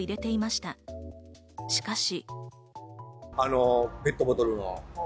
しかし。